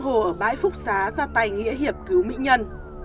hồ ở bãi phúc xá ra tay nghĩa hiệp cứu mỹ nhân